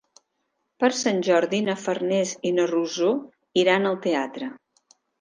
Per Sant Jordi na Farners i na Rosó iran al teatre.